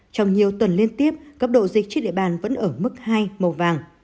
trong nhiều tuần liên tiếp cấp độ dịch trên địa bàn vẫn ở mức hai màu vàng